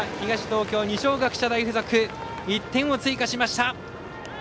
東京、二松学舎大付属１点を追加しました。